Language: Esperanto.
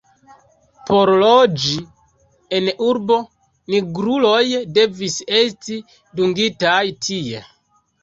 Por loĝi en urbo, nigruloj devis esti dungitaj tie.